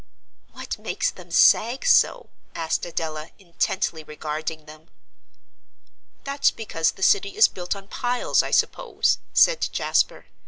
"What makes them sag so?" asked Adela, intently regarding them. "That's because the city is built on piles, I suppose," said Jasper.